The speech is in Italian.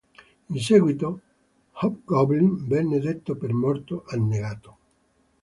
In seguito Hobgoblin venne dato per morto, annegato.